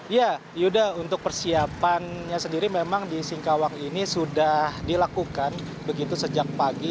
ya yuda untuk persiapannya sendiri memang di singkawang ini sudah dilakukan begitu sejak pagi